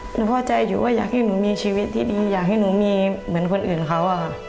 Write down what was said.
พ่อใจอยู่ว่าอยากให้หนูมีชีวิตที่ดีอยากให้หนูมีเหมือนคนอื่นเขาอะค่ะ